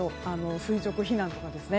垂直避難とかですね。